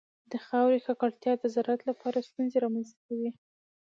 د خاورې ککړتیا د زراعت لپاره ستونزې رامنځته کوي.